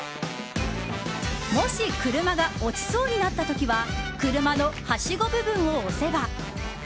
もし車が落ちそうになった時は車のはしご部分を押せば。